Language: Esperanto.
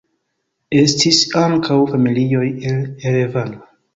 Estis ankaŭ familioj el Erevano.